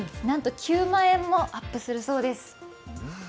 なんと９万円もアップするそうです